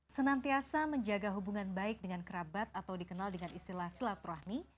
senantiasa menjaga hubungan baik dengan kerabat atau dikenal dengan istilah silaturahmi